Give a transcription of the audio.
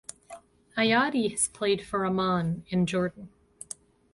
Ayadi has played for Amman in Jordan.